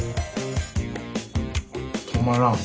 止まらん。